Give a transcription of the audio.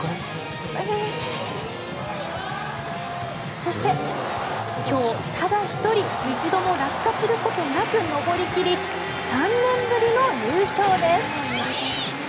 そして、今日ただ１人一度も落下することなく登り切り３年ぶりの優勝です。